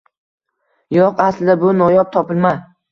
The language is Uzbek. Yo‘q, aslida bu noyob topilma